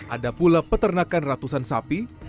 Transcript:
ada pula peternakan ratusan sapi